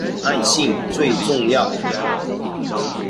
有愛心最重要